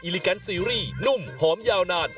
ลิกันซีรีส์นุ่มหอมยาวนาน